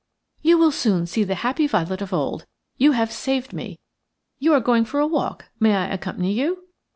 "You will soon see the happy Violet of old. You have saved me. You are going for a walk. May I accompany you?"